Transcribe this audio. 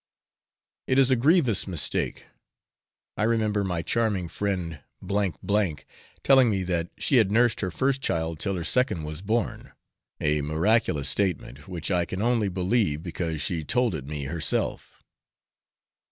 It is a grievous mistake. I remember my charming friend F D telling me that she had nursed her first child till her second was born a miraculous statement, which I can only believe because she told it me herself.